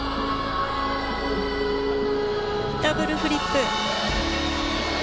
ダブルフリップ。